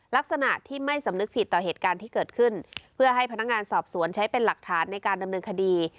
ลักษณะที่ไม่สำนึกผิดต่อเหตุการณ์ที่เกิดขึ้นเพื่อให้พนักงานสอบสวนใช้เป็นหลักฐานในการดำเนินคดี